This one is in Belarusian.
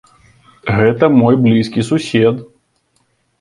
Гэта мой блізкі сусед.